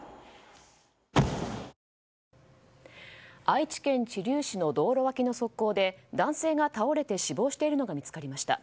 愛知県知立市の道路脇の側溝で男性が倒れて死亡しているのが見つかりました。